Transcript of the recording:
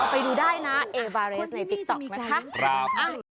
ไปดูได้นะเอบาเรสในติ๊กต๊อกนะคะ